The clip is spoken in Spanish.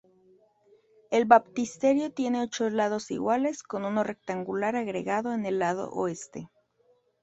El baptisterio tiene ocho lados iguales con uno rectangular agregado en el lado oeste.